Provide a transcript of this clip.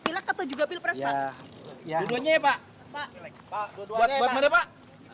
pak dua duanya ya pak